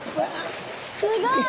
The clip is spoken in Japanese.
すごい！